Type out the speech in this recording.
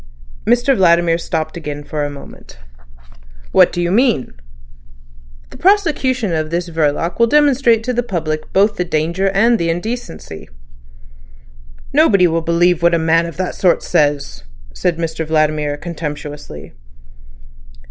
Mr Vladimir stopped again for a moment. "What do you mean?" "The prosecution of this Verloc will demonstrate to the public both the danger and the indecency." "Nobody will believe what a man of that sort says," said Mr Vladimir contemptuously.